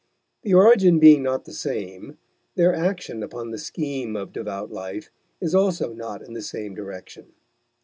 The origin being not the same, their action upon the scheme of devout life is also not in the same direction.